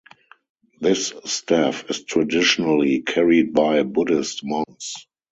This staff is traditionally carried by Buddhist monks.